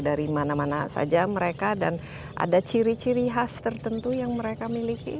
dari mana mana saja mereka dan ada ciri ciri khas tertentu yang mereka miliki